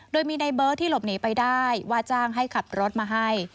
โดยมีในเบิร์ตที่หลบหนีไปได้ว่าจ้างให้ขับรถมาให้